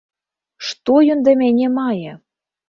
Што ён да мяне мае!